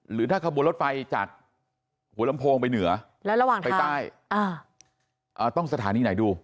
หรือถ้าขบวนรถไฟจากหัวลำโพงไปเหนือแล้วระหว่างไปใต้ต้องสถานีไหนดู